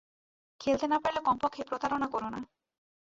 খেলতে না পারলে কমপক্ষে প্রতারণা করো না।